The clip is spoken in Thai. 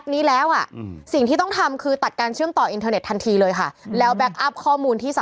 นุ่มครับพี่